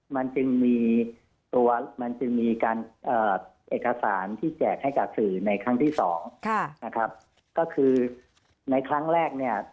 มันจึงมีการเอกสารที่แจกให้กับสื่อในครั้งที่๒